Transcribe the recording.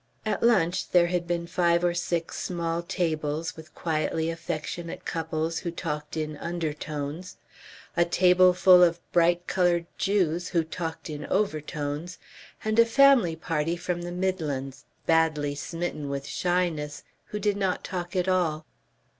At lunch there had been five or six small tables with quietly affectionate couples who talked in undertones, a tableful of bright coloured Jews who talked in overtones, and a family party from the Midlands, badly smitten with shyness, who did not talk at all.